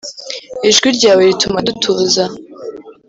ijwi ryawe rituma dutuza